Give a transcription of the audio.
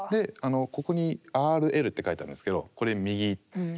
ここに「Ｒ」「Ｌ」って書いてあるんですけどこれ右左。